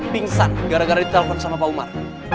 pingsan gara gara ditelepon sama pak umar